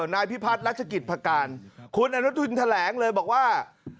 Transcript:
นายพิพัฒน์รัชกิจพการคุณอนุทินแถลงเลยบอกว่า